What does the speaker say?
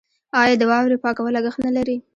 آیا د واورې پاکول لګښت نلري؟